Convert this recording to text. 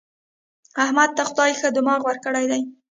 احمد ته خدای ښه دماغ ورکړی دی.